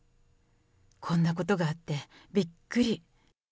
こんなことがあってびっくり。